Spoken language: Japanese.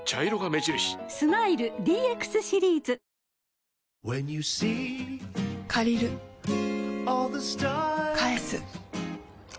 スマイル ＤＸ シリーズ！借りる返す